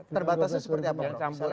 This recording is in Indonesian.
terbatasnya seperti apa pak